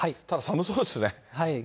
ただ、寒そうですね。